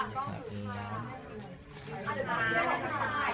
ขอสายตาซ้ายสุดด้วยครับ